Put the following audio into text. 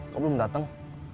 kok belum datang